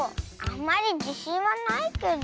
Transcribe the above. あんまりじしんはないけど。